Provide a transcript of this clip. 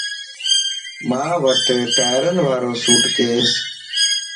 مان وٽ ٽائرين وارو سوٽ ڪيس